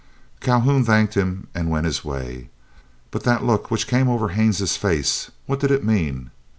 Calhoun thanked him, and went his way. But that look which came over Haines's face, what did it mean?